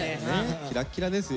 キラッキラですよ。